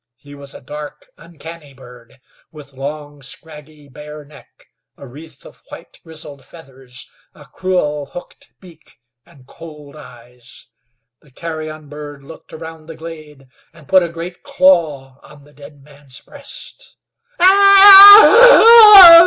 He was a dark, uncanny bird, with long, scraggy, bare neck, a wreath of white, grizzled feathers, a cruel, hooked beak, and cold eyes. The carrion bird looked around the glade, and put a great claw on the dead man's breast.